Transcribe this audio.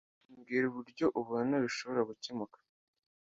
mbwira uburyo ubona bishobora gukemuka.